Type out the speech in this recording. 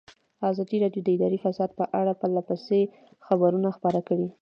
ازادي راډیو د اداري فساد په اړه پرله پسې خبرونه خپاره کړي.